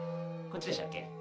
こっちでしたっけ？